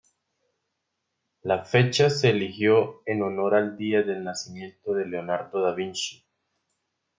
La fecha se eligió en honor al día del nacimiento de Leonardo da Vinci.